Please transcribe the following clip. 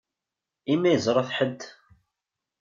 I ma yeẓṛa-t ḥedd?